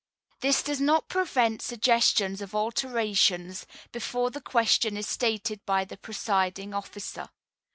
This does not prevent suggestions of alterations, before the question is stated by the presiding officer.